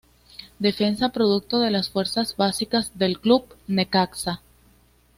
Defensa producto de las fuerzas básicas del Club Necaxa.